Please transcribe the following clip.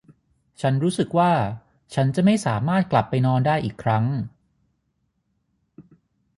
ฉันรู้สึกว่าฉันจะไม่สามารถกลับไปนอนได้อีกครั้ง